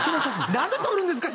何で撮るんですか？